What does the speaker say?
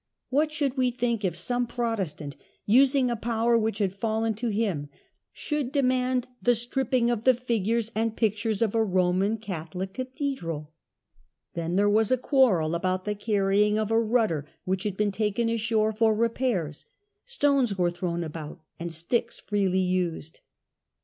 What should we think if some Protestant^ using a power which had fallen to him, should demand the stripping of the figures and pictures of a Roman Catholic cathedral? The& there was a 152 CAPTAIN COOK CHAP. quarrel about the carrying of a rudder which had been taken ashore for repairs. Stones were thrown about and sticks freely used.